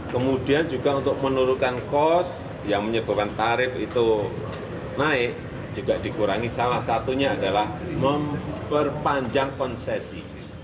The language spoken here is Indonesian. kemudian juga untuk menurunkan kos yang menyebabkan tarif itu naik juga dikurangi salah satunya adalah memperpanjang konsesi